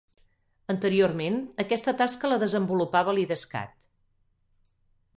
Anteriorment, aquesta tasca la desenvolupava l'Idescat.